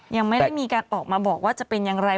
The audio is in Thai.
ยังไม่ได้มีการออกมาบอกว่าจะเป็นอย่างไร